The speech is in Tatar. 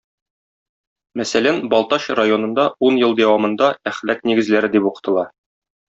Мәсәлән, Балтач районында ун ел дәвамында әхлак нигезләре дип укытыла.